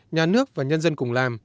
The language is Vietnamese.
nhà nước và nhân dân cùng làm